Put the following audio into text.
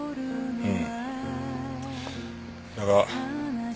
うん。